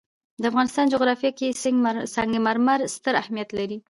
د افغانستان جغرافیه کې سنگ مرمر ستر اهمیت لري.